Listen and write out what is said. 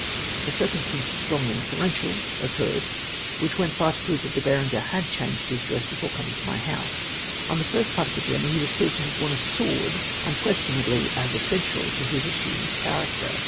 A cu'cumstance strongly inferential, occmi'ed which went far to prove that De Berenger had changed his dress before coming to my house. On the first part of the journey he was proved to have worn a sword, un questionably as essential to his assumed character.